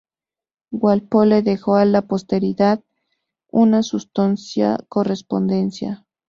Walpole dejó a la posteridad una sustanciosa correspondencia.